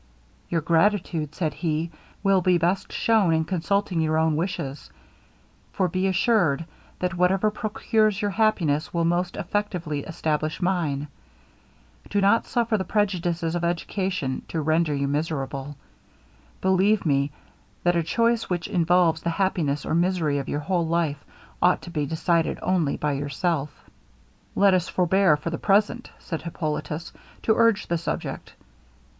'Your gratitude,' said he, 'will be best shown in consulting your own wishes; for be assured, that whatever procures your happiness, will most effectually establish mine. Do not suffer the prejudices of education to render you miserable. Believe me, that a choice which involves the happiness or misery of your whole life, ought to be decided only by yourself.' 'Let us forbear for the present,' said Hippolitus, 'to urge the subject.